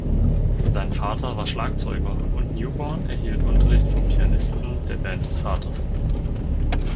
Sein Vater war Schlagzeuger, und Newborn erhielt Unterricht vom Pianisten der Band des Vaters.